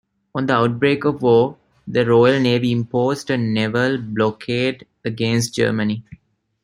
On the outbreak of war, the Royal Navy imposed a naval blockade against Germany.